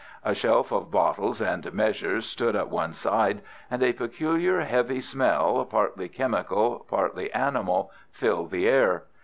A shelf of bottles and measures stood at one side, and a peculiar, heavy smell, partly chemical, partly animal, filled the air.